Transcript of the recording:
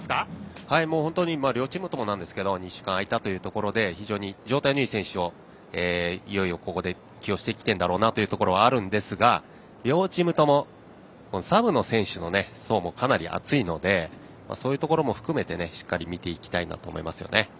本当に両チームともなんですが２週間空いたということで非常に状態のいい選手をいよいよ、ここで起用してきているんだろうなというところはあるんですが両チームともサブの選手の層もかなり厚いのでそういうところも含めてしっかり見ていきたいなと思いますね。